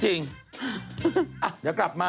เดี๋ยวกลับมา